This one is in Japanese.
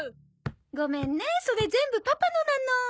ごめんねそれ全部パパのなの。